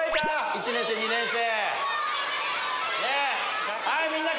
１年生２年生。